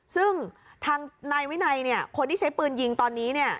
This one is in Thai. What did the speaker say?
ซึ่งทางนายวินัยเนี่ยคนที่ใช้ปืนยิงตอนนี้เนี่ย